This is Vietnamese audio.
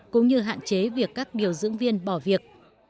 cũng như hạn chế việc các điều dưỡng viên bỏ việc